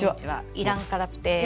イランカラプテ。